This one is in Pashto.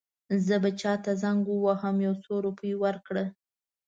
زه به چاته زنګ ووهم یو څو روپۍ ورکړه.